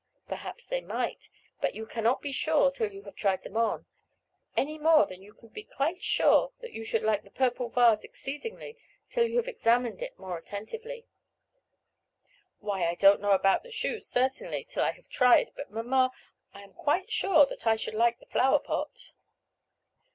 "Perhaps they might; but you cannot be sure till you have tried them on, any more than you can be quite sure that you should like the purple vase exceedingly, till you have examined it more attentively." "Why, I don't know about the shoes, certainly, till I have tried; but, mamma, I am quite sure that I should like the flower pot."